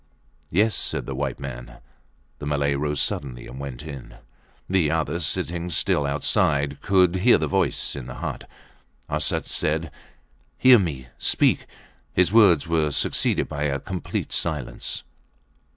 Yes, said the white man. The Malay rose suddenly and went in. The other, sitting still outside, could hear the voice in the hut. Arsat said: Hear me! Speak! His words were succeeded by a complete silence.